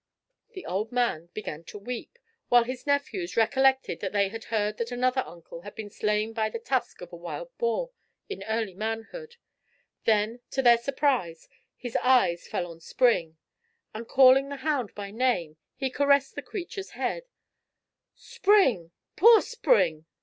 The old man began to weep, while his nephews recollected that they had heard that another uncle had been slain by the tusk of a wild boar in early manhood. Then to their surprise, his eyes fell on Spring, and calling the hound by name, he caressed the creature's head—"Spring, poor Spring!